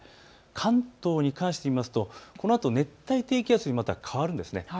関東に関して見ますとこのあと熱帯低気圧にまた変わるんです。